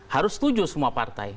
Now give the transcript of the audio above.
harus setuju semua partai